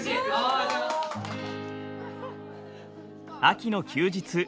秋の休日。